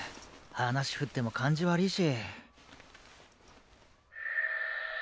話振っても感じ悪ぃし。